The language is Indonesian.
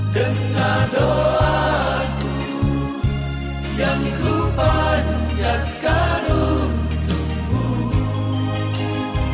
dengar doaku yang kupanjatkan untukmu